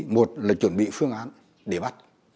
một là chuẩn bị phương án để bắt